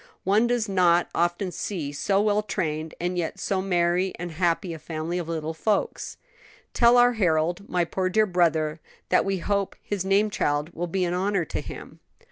One does not often see so well trained and yet so merry and happy a family of little folks. "Tell our Harold my poor dear brother that we hope his name child will be an honor to him."